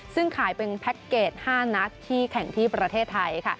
ซึ่งขายเป็นแพ็คเกจ๕นัดที่แข่งที่ประเทศไทย